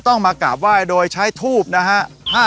มากราบไหว้โดยใช้ทูบนะฮะ